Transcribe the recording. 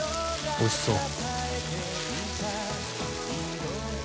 おいしそう。